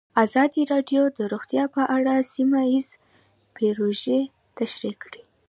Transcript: ازادي راډیو د روغتیا په اړه سیمه ییزې پروژې تشریح کړې.